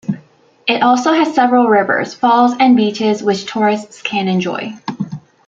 It also has several rivers, falls, and beaches, which tourists can enjoy.